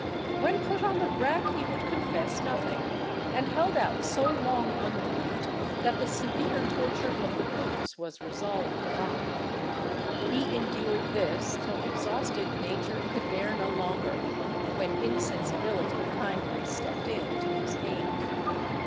When put on the rack, he would confess nothing, and held out so long unmoved, that the severe torture of the boots was resolved upon. He endured this till exhausted nature could bear no longer, when insensibility kindly stepped in to his aid.